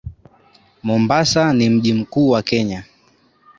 Mombasa ni mji mkuu wa Kenya